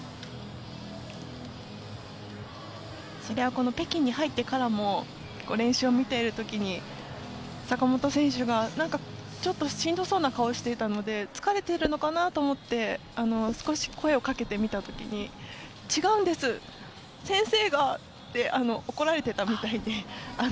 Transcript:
それは北京に入ってからも練習を見ている時に坂本選手がちょっとしんどそうな顔をしていたので疲れているのかなと思って少し声をかけてみた時に違うんです、先生がって怒られていたみたいで。